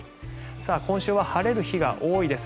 今週は晴れる日が多いです。